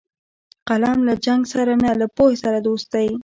قلم له جنګ سره نه، له پوهې سره دوست دی